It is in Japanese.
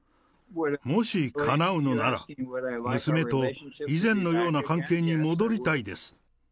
もし、かなうのなら、娘と以前のような関係に戻りたいです。